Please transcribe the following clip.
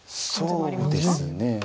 そうですね。